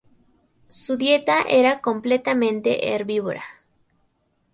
Su dieta era completamente herbívora.